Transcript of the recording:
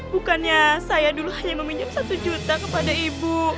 bukannya saya dulu hanya meminjam satu juta kepada ibu